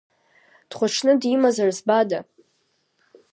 Дхәыҽны димазар збада?